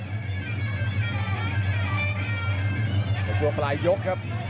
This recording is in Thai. แก้เซอแลไม่กลัวปลายยกครับ